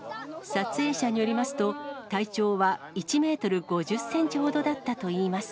撮影者によりますと、体長は１メートル５０センチほどだったといいます。